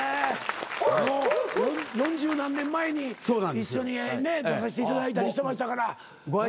四十何年前に一緒に出させていただいたりしてましたから。